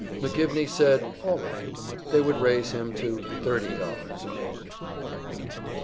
McGivney said all right, they would raise him to thirty dollars a week.